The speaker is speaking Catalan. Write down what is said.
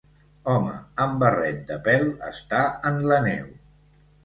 Home amb barret de pèl està en la neu